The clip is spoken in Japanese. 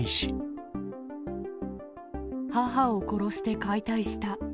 母を殺して解体した。